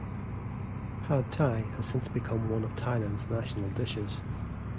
Pad thai has since become one of Thailand's national dishes.